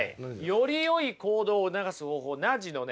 よりよい行動を促す方法ナッジのね